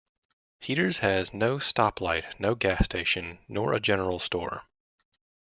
Heaters has no stoplight, no gas station, nor a general store.